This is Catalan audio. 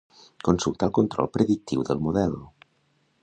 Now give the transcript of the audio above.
Consulta el control predictiu del model.